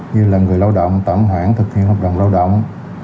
như là người lao động tạm hoãn thực hiện hợp đồng lao động